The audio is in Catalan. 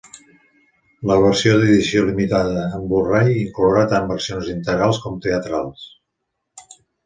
La versió d'edició limitada en Blu-ray inclourà tant versions integrals com teatrals.